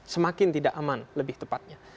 semakin tidak aman lebih tepatnya